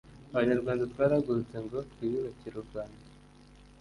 Abanyarwanda twarahagurutse ngo twiyubakire u Rwanda